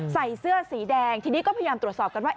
ใส่เสื้อสีแดงทีนี้ก็พยายามตรวจสอบกันว่า